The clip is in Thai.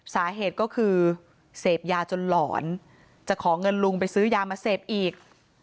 สาเหตุก็คือเสพยาจนหลอนจะขอเงินลุงไปซื้อยามาเสพอีก